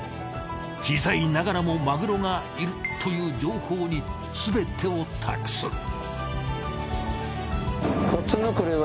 小さいながらもマグロがいるという情報にすべてを託す。